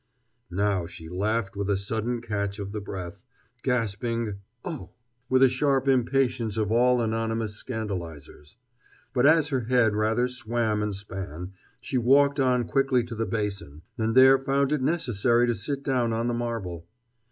Now she laughed with a sudden catch of the breath, gasping "Oh!" with a sharp impatience of all anonymous scandalizers. But as her head rather swam and span, she walked on quickly to the basin, and there found it necessary to sit down on the marble.